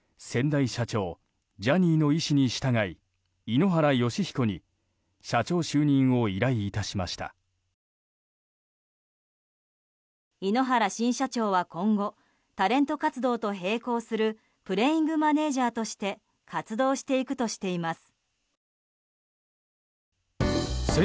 井ノ原新社長は今後タレント活動と並行するプレイングマネージャーとして活動していくとしています。